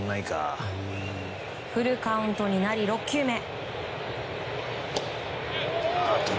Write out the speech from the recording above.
フルカウントになり、６球目。